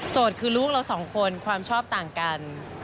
โจทย์คือลูกเรา๒คนความชอบต่างกัน